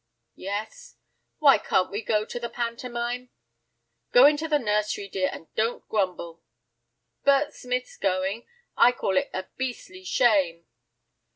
"Yes." "Why can't we go to the pantomime?" "Go into the nursery, dear, and don't grumble." "Bert Smith's going. I call it a beastly shame."